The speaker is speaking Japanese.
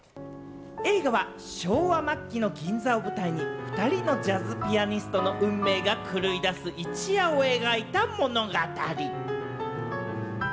映画は昭和末期の銀座を舞台に２人のジャズピアニストの運命が狂いだす一夜を描いた物語。